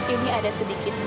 ini ada sedikit